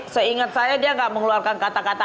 seingat saya dia nggak mengeluarkan kata kata